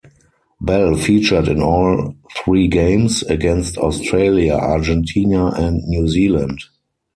Bell featured in all three games, against Australia, Argentina and New Zealand.